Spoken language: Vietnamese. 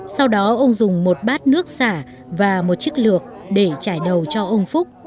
sau đó ông dùng một bát nước xả và một chiếc lược để trải đầu cho ông phúc